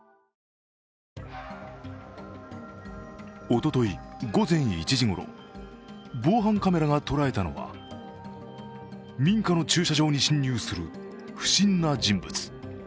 おととい午前１時ごろ、防犯カメラが捉えたのは民家の駐車場に侵入する不審な人物。